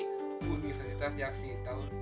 buah universitas yaksinitau